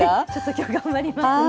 今日頑張りますね。